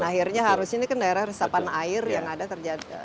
terus ini kan daerah resapan air yang ada terjadi